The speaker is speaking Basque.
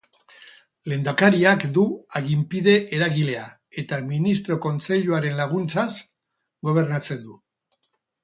Lehendakariak du aginpide eragilea, eta ministro-kontseiluaren laguntzaz gobernatzen du.